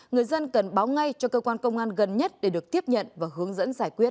người dân cần báo ngay cho cơ quan công an gần nhất để được tiếp nhận và hướng dẫn giải quyết